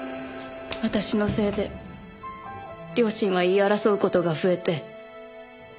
私のせいで両親は言い争う事が増えて。